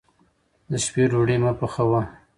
د شپې ډوډۍ مه پخوه.